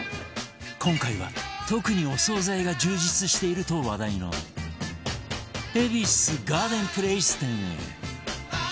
今回は特にお惣菜が充実していると話題の恵比寿ガーデンプレイス店へ